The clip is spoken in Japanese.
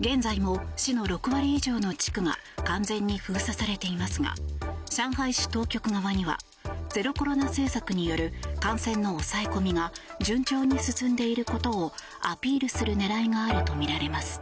現在も市の６割以上の地区が完全に封鎖されていますが上海市当局側にはゼロコロナ政策による感染の抑え込みが順調に進んでいることをアピールする狙いがあるとみられます。